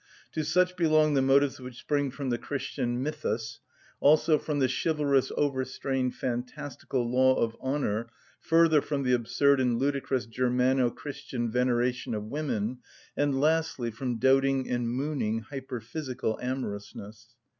To such belong the motives which spring from the Christian mythus, also from the chivalrous over‐strained fantastical law of honour, further from the absurd and ludicrous Germano‐Christian veneration of women, and lastly from doting and mooning hyperphysical amorousness.